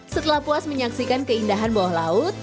setelah puas menyaksikan keindahan bawah laut